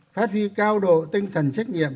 phát huy cao độ tinh thần trách nhiệm